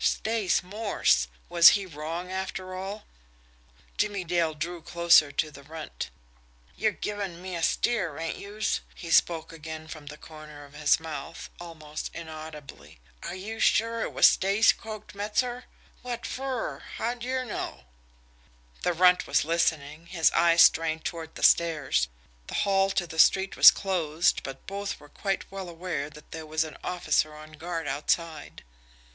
Stace Morse! Was he wrong, after all? Jimmie Dale drew closer to the Runt. "Yer givin' me a steer, ain't youse?" He spoke again from the corner of his mouth, almost inaudibly. "Are youse sure it was Stace croaked Metzer? Wot fer? How'd yer know?" The Runt was listening, his eyes strained toward the stairs. The hall door to the street was closed, but both were quite well aware that there was an officer on guard outside.